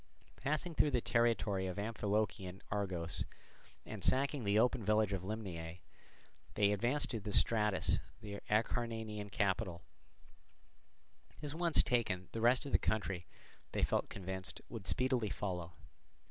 Passing through the territory of Amphilochian Argos, and sacking the open village of Limnaea, they advanced to Stratus the Acarnanian capital; this once taken, the rest of the country, they felt convinced, would speedily follow.